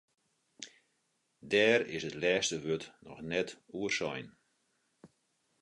Dêr is it lêste wurd noch net oer sein.